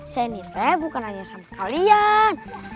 saya ini teh bukan hanya sama kalian